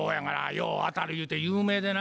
よう当たるゆうて有名でな。